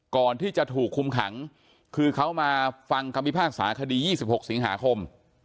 ก่อนที่จะถูกคุ้มขังคือเขามาฟังกรรมิพากษาคดียี่สิบหกสิงหาคม